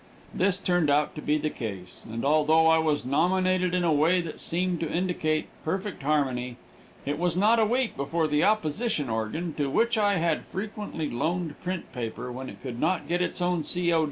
This turned out to be the case, and although I was nominated in a way that seemed to indicate perfect harmony, it was not a week before the opposition organ, to which I had frequently loaned print paper when it could not get its own C. O.